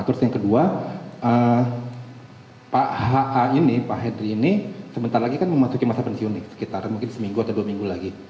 terus yang kedua pak ha ini pak hedri ini sebentar lagi kan memasuki masa pensiun ini sekitar mungkin seminggu atau dua minggu lagi